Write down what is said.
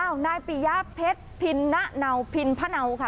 นายปิยะเพชรพิณะเนาพินพะเนาค่ะ